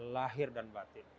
lahir dan batin